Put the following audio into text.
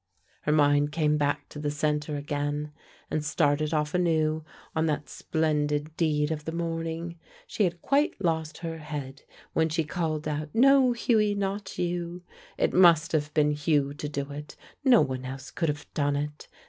Her mind came back to the center again, and started off anew on that splendid deed of the morning. She had quite lost her head when she called out, "No, Hughie, not you!" It must have been Hugh to do it, no one else could have done it.